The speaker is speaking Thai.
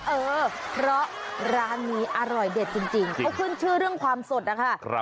เออเพราะร้านนี้อร่อยเด็ดจริงเขาขึ้นชื่อเรื่องความสดนะคะ